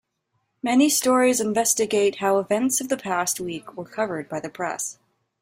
Many stories investigate how events of the past week were covered by the press.